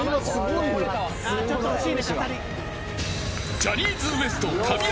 ジャニーズＷＥＳＴ神山